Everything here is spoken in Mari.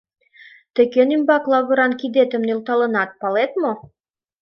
Тый кӧн ӱмбак лавыран кидетым нӧлталынат, палет мо?